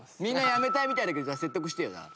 みんなやめたいみたいだけど説得してよ。